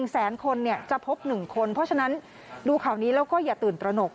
แสนคนจะพบ๑คนเพราะฉะนั้นดูข่าวนี้แล้วก็อย่าตื่นตระหนก